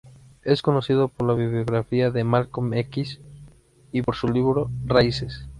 Es conocido por la "Biografía de Malcolm X" y por su libro "Raíces".